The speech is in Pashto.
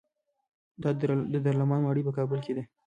د دارالامان ماڼۍ په کابل کې ده